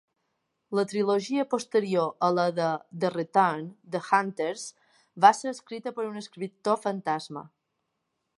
La trilogia posterior a la de "The Return", "The Hunters" va se escrita per un escriptor fantasma.